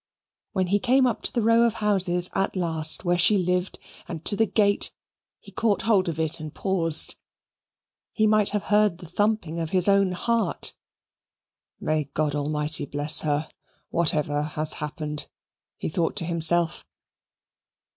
When he came up to the row of houses, at last, where she lived, and to the gate, he caught hold of it and paused. He might have heard the thumping of his own heart. "May God Almighty bless her, whatever has happened," he thought to himself.